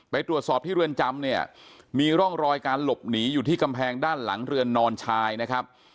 ไปตรวจสอบที่เรือนจำเนี่ยมีร่องรอยการหลบหนีอยู่ที่กำแพงด้านหลังเรือนนอนชายนะครับ